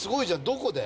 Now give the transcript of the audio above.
どこで？